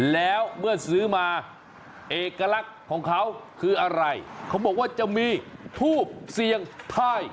แล้วเมื่อซื้อมาเอกลักษณ์ของเขาคืออะไรเขาบอกว่าจะมีทูบเสี่ยงทาย